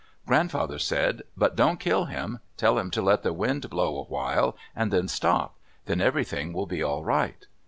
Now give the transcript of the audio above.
Grandfather said, "But don't kill him. Tell him to let the wind blow awhile, and then stop. Then everything will be all right."